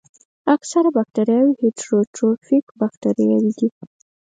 اکثره باکتریاوې هیټروټروفیک باکتریاوې دي.